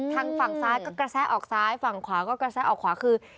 ทางฝั่งซ้ายก็กระแทรกออกซ้ายฝั่งขวาก็กระแทรกออกขวาคือ